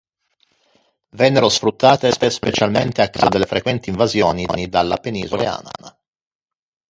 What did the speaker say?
Vennero sfruttate specialmente a causa delle frequenti invasioni dalla penisola Coreana.